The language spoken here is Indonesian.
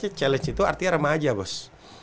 challenge itu artinya remaja bos